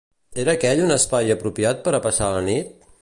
Era aquell un espai apropiat per a passar la nit?